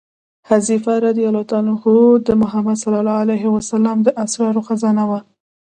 حذیفه رض د محمد صلی الله علیه وسلم د اسرارو خزانه وه.